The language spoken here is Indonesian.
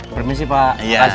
permisi pak makasih